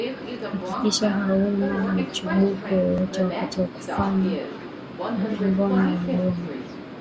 hakikisha hauna michubuko yoyote wakati wa kufanya gono ya mdomo